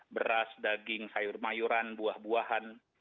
beras daging sayur mayuran buah buahan